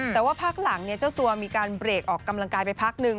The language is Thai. แต่ว่าพักหลังเจ้าตัวมีการเบรกออกกำลังกายไปพักนึง